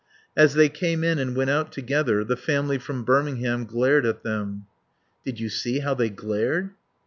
As they came in and went out together the family from Birmingham glared at them. "Did you see how they glared?"